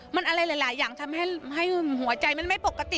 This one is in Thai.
มันอะไรหลายอย่างทำให้หัวใจมันไม่ปกติ